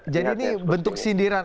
jadi ini bentuk sindiran